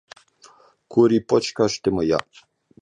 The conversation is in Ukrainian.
Куріпочка ж ти моя!